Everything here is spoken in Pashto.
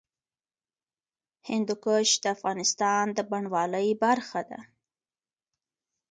هندوکش د افغانستان د بڼوالۍ برخه ده.